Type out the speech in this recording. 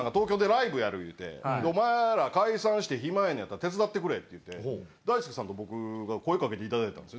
「お前ら解散して暇やねんやったら手伝ってくれ」って言って大輔さんと僕が声掛けていただいたんですよね。